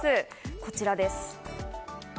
こちらです。